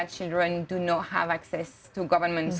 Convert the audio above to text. tidak memiliki akses ke sekolah pemerintah